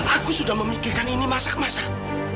aku sudah memikirkan ini masak masak